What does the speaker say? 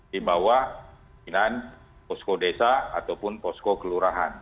di bawah pimpinan posko desa ataupun posko kelurahan